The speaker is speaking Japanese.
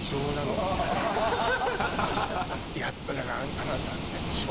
やっぱだからあなたって。